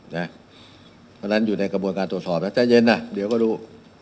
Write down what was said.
เพราะฉะนั้นอยู่ในกระบวนการตรวจสอบนะใจเย็นนะเดี๋ยวก็รู้